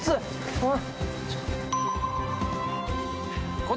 おい。